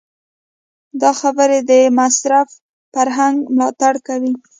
دا خبرې د مصرف فرهنګ ملاتړ کوي.